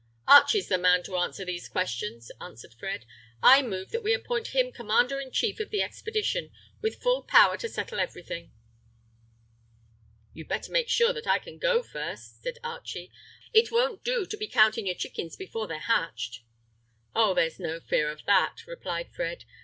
"Archie's the man to answer these questions," answered Fred. "I move that we appoint him commander in chief of the expedition, with full power to settle everything." "You'd better make sure that I can go first," said Archie. "It won't do to be counting your chickens before they're hatched." "Oh, there's no fear of that," replied Fred.